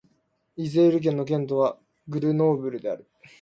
イゼール県の県都はグルノーブルである